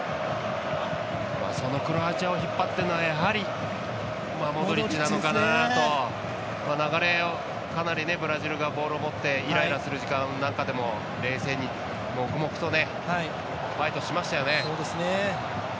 そのクロアチアを引っ張っているのはやはりモドリッチなのかなと流れ、かなりブラジルがボールを持ってイライラする時間の中でも冷静に黙々とファイトしましたよね。